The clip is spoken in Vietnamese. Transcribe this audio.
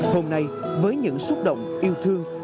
hôm nay với những xúc động yêu thương